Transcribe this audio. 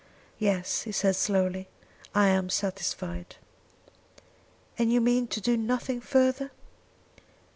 "Yes," he said slowly; "I am satisfied." "And you mean to do nothing further?"